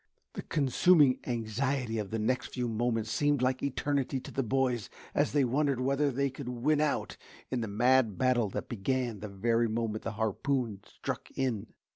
The consuming anxiety of the next few moments seemed like eternity to the boys as they wondered whether they could win out in the mad battle that began the very moment the harpoon struck in.